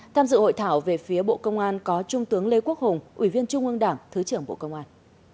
tham dự hội thảo về phía bộ công an có trung tướng lê quốc hùng ủy viên trung ương đảng thứ trưởng bộ công an